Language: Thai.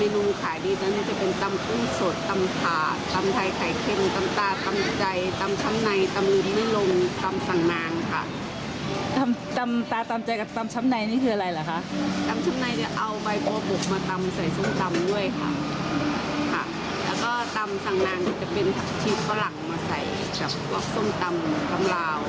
แล้วตำตาตำจัยหรือคะ